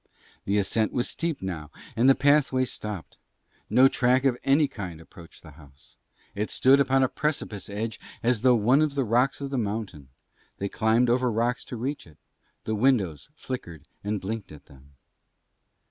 The ascent was steep now and the pathway stopped. No track of any kind approached the house. It stood on a precipice edge as though one of the rocks of the mountain: they climbed over rocks to reach it. The windows flickered and blinked at them.